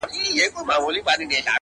لا به تر څو دا سرې مرمۍ اورېږي!